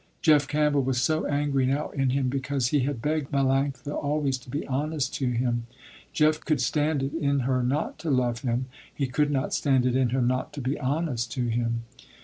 Jeff Campbell was so angry now in him, because he had begged Melanctha always to be honest to him. Jeff could stand it in her not to love him, he could not stand it in her not to be honest to him.